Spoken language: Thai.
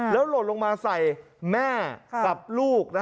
หล่นลงมาใส่แม่กับลูก